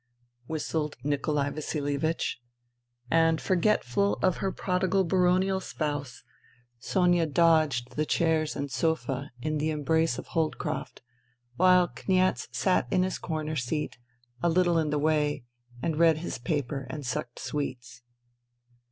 ..." Fu—fu fu fu fu—iu fu " whistled Nikolai Vasil ievich. And, forgetful of her prodigal baronial spouse, Sonia dodged the chairs and sofa in the embrace of Holdcroft, while Kniaz sat in his corner seat, a little in the way, and read his paper and sucked sweets.